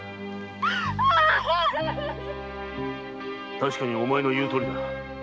確かにお前の言うとおりだ。